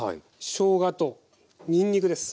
しょうがとにんにくです。